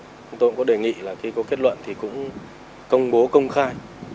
chúng tôi cũng có đề nghị là khi có kết luận thì cũng công bố công khai